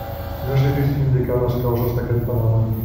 No és difícil indicar les causes d'aquest fenomen.